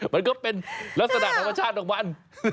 มันก็เป็นลักษณะธรรมชาติของมัน